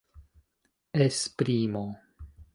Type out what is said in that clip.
esprimo